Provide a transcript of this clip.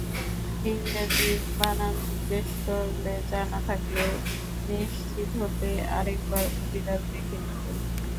ইংরেজি বানান জিজ্ঞেস করলে জানা থাকলেও নিশ্চিত হতে আরেকবার অভিধান দেখে নিতেন।